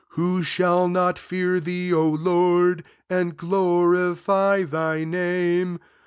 4 Who shall not fear [thee,'] [O Lord,] and glo rify thy name